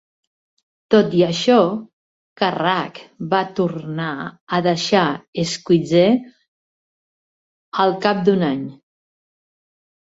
Tot i això, Carrack va tornar a deixar Squeeze, al cap d'un any.